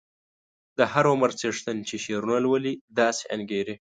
د هر عمر څښتن چې شعرونه لولي داسې انګیري.